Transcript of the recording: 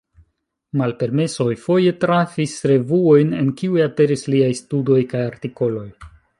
Malpermesoj foje trafis revuojn, en kiuj aperis liaj studoj kaj artikoloj.